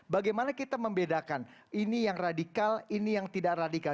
bagaimana kita membedakan ini yang radikal ini yang tidak radikal